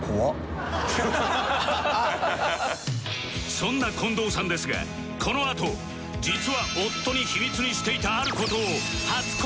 そんな近藤さんですがこのあと実は夫に秘密にしていたある事を初告白！